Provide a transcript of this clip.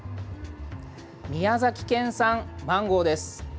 宮崎県産マンゴーです。